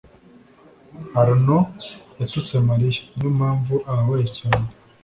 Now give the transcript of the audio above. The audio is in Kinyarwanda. Arnaud yatutse Mariya. Niyo mpamvu ababaye cyane.